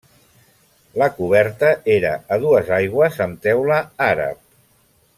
La coberta era a dues aigües amb teula àrab.